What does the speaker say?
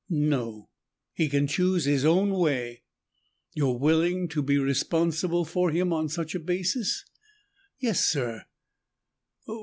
"No, he can choose his own way." "You're willing to be responsible for him on such a basis?" "Yes, sir.